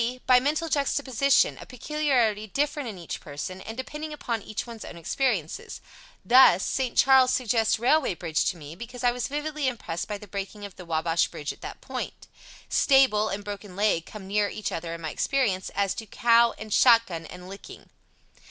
By mental juxtaposition, a peculiarity different in each person, and depending upon each one's own experiences. Thus, "St. Charles" suggests "railway bridge" to me, because I was vividly impressed by the breaking of the Wabash bridge at that point. "Stable" and "broken leg" come near each other in my experience, as do "cow" and "shot gun" and "licking."